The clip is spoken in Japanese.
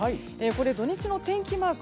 土日の天気マーク